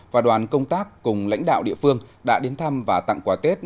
và đoàn công tác cùng lãnh đạo địa phương đã đến thăm và tặng quà tết